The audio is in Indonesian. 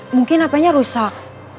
mungkin hp nya rusak